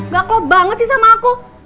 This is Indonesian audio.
gak ke banget sih sama aku